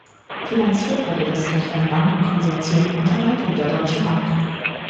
Finanziert wurde das durch ein Bankenkonsortium unter Leitung der Deutschen Bank.